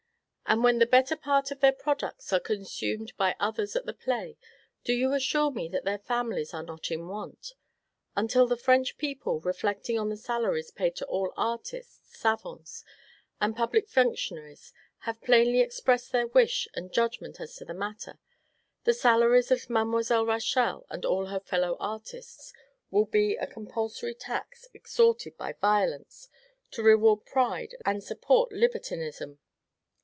And when the better part of their products are consumed by others at the play, do you assure me that their families are not in want? Until the French people, reflecting on the salaries paid to all artists, savants, and public functionaries, have plainly expressed their wish and judgment as to the matter, the salaries of Mademoiselle Rachel and all her fellow artists will be a compulsory tax extorted by violence, to reward pride, and support libertinism.